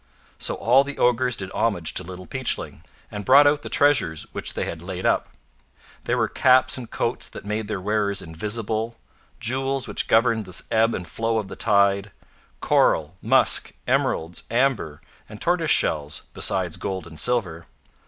So all the ogres did homage to Little Peachling, and brought out the treasures which they had laid up. There were caps and coats that made their wearers invisible, jewels which governed the ebb and the flow of the tide, coral, musk, emeralds, amber, and tortoise shells, besides gold and silver.